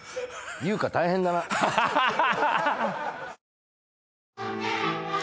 優香大変だなハハハハハ